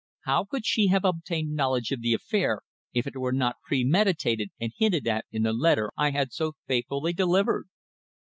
How could she have obtained knowledge of the affair if it were not premeditated and hinted at in the letter I had so faithfully delivered?